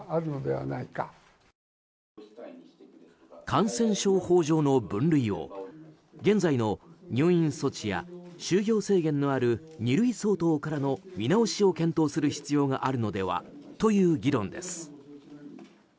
感染症法上の分類を現在の入院措置や就業制限のある二類相当からの見直しを検討する必要があるのではという議論です。